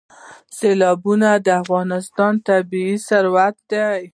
سیلابونه د افغانستان طبعي ثروت دی.